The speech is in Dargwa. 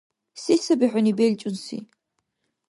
Се саби хӀуни белчӀунси?